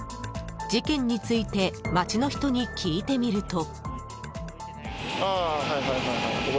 事件について街の人に聞いてみると。